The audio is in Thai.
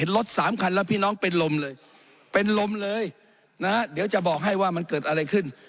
รถสามคันแล้วพี่น้องเป็นลมเลยเป็นลมเลยนะเดี๋ยวจะบอกให้ว่ามันเกิดอะไรขึ้น